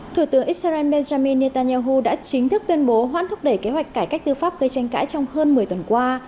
thủ tướng israel benjamin netanyahu đã chính thức tuyên bố hoãn thúc đẩy kế hoạch cải cách tư pháp gây tranh cãi trong hơn một mươi tuần qua